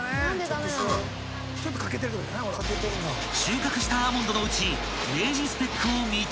［収穫したアーモンドのうち］